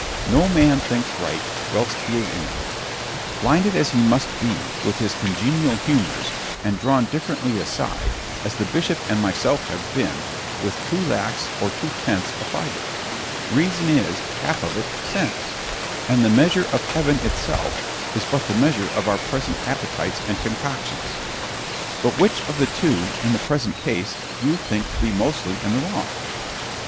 No man thinks right, whilst he is in it; blinded as he must be, with his congenial humours, and drawn differently aside, as the bishop and myself have been, with too lax or too tense a fibre——REASON is, half of it, SENSE; and the measure of heaven itself is but the measure of our present appetites and concoctions.—— ——But which of the two, in the present case, do you think to be mostly in the wrong?